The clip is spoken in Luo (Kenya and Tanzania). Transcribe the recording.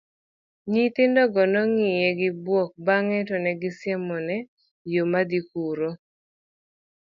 nyithindoka nong'iye gi buok bang'e to negisiemone yo madhi kuro